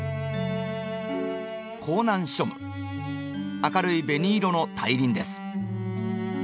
明るい紅色の大輪です。